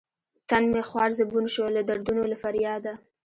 تن مې خوار زبون شو لۀ دردونو له فرياده